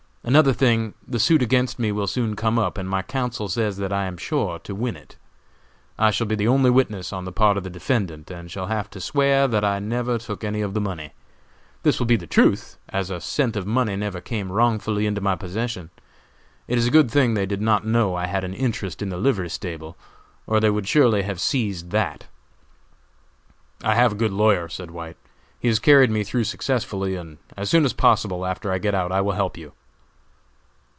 Another thing, the suit against me will soon come up, and my counsel says that I am sure to win it. I shall be the only witness on the part of the defendant and shall have to swear that I never took any of the money. This will be the truth, as a cent of money never came wrongfully into my possession. It is a good thing they did not know I had an interest in the livery stable, or they would surely have seized that." "I have a good lawyer," said White, "he has carried me through successfully, and as soon as possible after I get out I will help you."